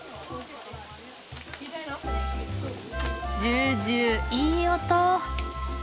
ジュージューいい音。